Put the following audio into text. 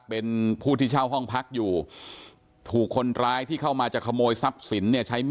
เป็นผู้ที่เช่าห้องพักอยู่ถูกคนร้ายที่เข้ามาจะขโมยทรัพย์สินเนี่ยใช้มีด